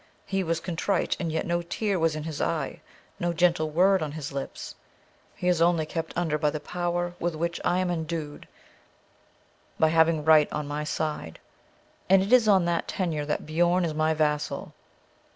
He was contrite, and yet no tear was in his eye, no gentle word on his lips. He is only kept under by the power with which I am endued by having right on my side, and it is on that tenure that Biorn is my vassal.